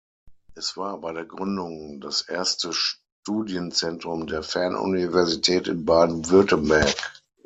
Es war bei der Gründung das erste Studienzentrum der Fernuniversität in Baden-Württemberg.